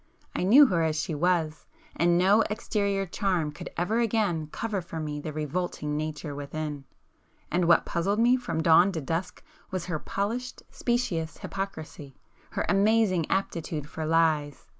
I knew her as she was,—and no exterior charm could ever again cover for me the revolting nature within. And what puzzled me from dawn to dusk was her polished, specious hypocrisy,—her amazing aptitude for lies!